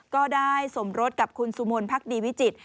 ก็ได้สมรสกับคุณสุมนต์พักดีวิจิตร